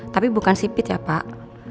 tapi bukan sipit ya pak